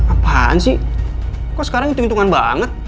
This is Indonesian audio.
apaan sih kok sekarang hitung hitungan banget